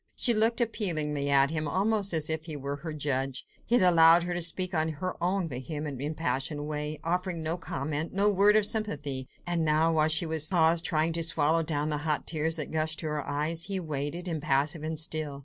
She looked appealingly at him, almost as if he were her judge. He had allowed her to speak on in her own vehement, impassioned way, offering no comment, no word of sympathy: and now, while she paused, trying to swallow down the hot tears that gushed to her eyes, he waited, impassive and still.